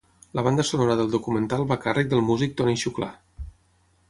La banda sonora del documental va a càrrec del músic Toni Xuclà.